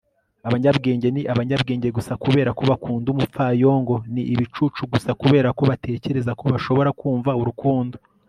abanyabwenge ni abanyabwenge gusa kubera ko bakunda umupfayongo ni ibicucu gusa kubera ko batekereza ko bashobora kumva urukundo